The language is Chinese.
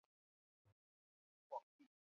浙江石门人。